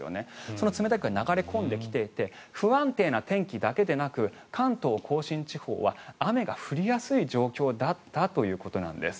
その冷たい空気が流れ込んでいて不安定な天気だけでなく関東・甲信地方は雨が降りやすい状況だったということなんです。